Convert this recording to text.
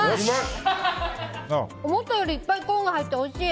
思ったよりいっぱいコーンが入ってておいしい！